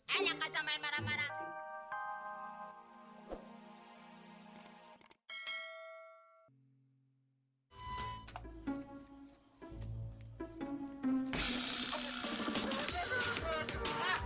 enak kaca main marah marah